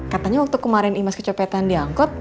katanya waktu kemarin imaz kecopetan diangkut